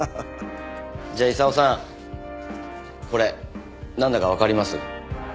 じゃあ功さんこれなんだかわかります？